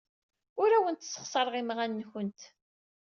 Ur awent-ssexṣareɣ imɣan-nwent.